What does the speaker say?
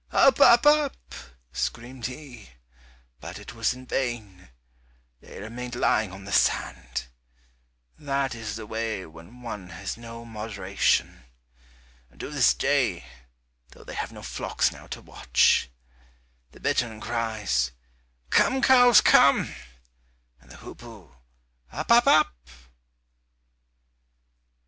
"Up, up, up," screamed he, but it was in vain, they remained lying on the sand. That is the way when one has no moderation. And to this day, though they have no flocks now to watch, the bittern cries, "Come, cows, come," and the hoopoe, "Up, up, up."